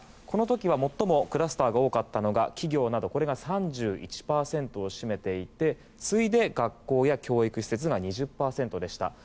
この時は最もクラスターが多かったのが企業などこれが３１％を占めていて次いで学校や教育施設が２０％でした。